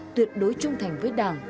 tuyệt đối trung thành với đảng